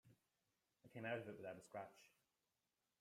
I came out of it without a scratch.